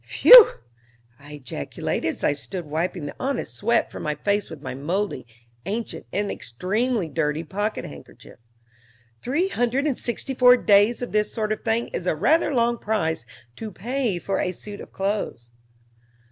"Phew!" I ejaculated, as I stood wiping the honest sweat from my face with my moldy, ancient, and extremely dirty pocket handkerchief. "Three hundred and sixty four days of this sort of thing is a rather long price to pay for a suit of clothes."